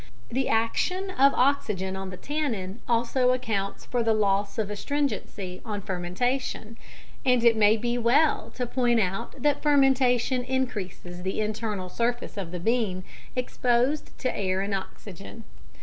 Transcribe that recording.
The action of oxygen on the tannin also accounts for the loss of astringency on fermentation, and it may be well to point out that fermentation increases the internal surface of the bean exposed to air and oxygen.